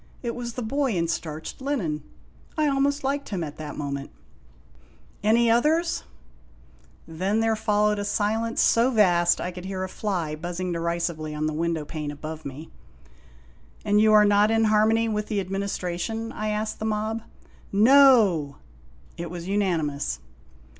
It was the boy in starched linen. I almost liked him at that moment. "Any others?" THE SEQUEL 63 Then there followed a silence so vast that I could hear a fly buzzing derisively on the window pane above me. "And you are not in harmony with the Administration?" I asked the mob. " No !" It was unanimous.